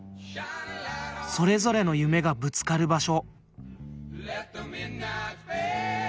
それぞれの夢がぶつかる場所。